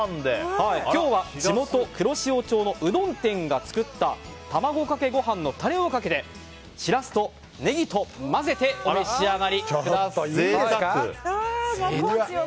今日は、地元・黒潮町のうどん店が作った卵かけご飯のタレをかけてシラスとネギと混ぜてお召し上がりください。